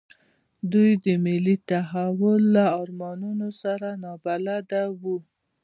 دوی د ملي تحول له ارمانونو سره نابلده وو.